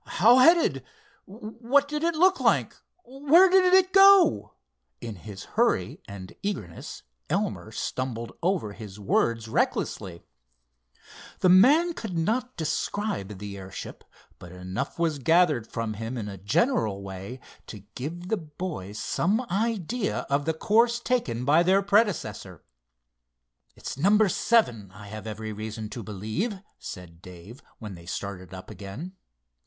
"How headed? What did it look like? Where did it go?" In his hurry and eagerness Elmer stumbled over his words recklessly. The man could not describe the airship, but enough was gathered from him in a general way to give the boys some idea of the course taken by their predecessor. "It's number seven, I have every reason to believe," said Dave, when they started up again.